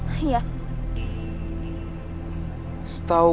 ada kek pemerintah ya